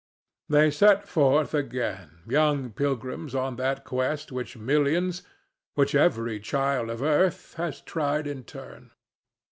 They set forth again, young pilgrims on that quest which millions—which every child of earth—has tried in turn.